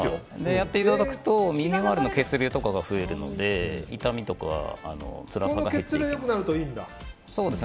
やっていただくと耳周りの血流とかが増えるので痛みとかつらさが減っていきます。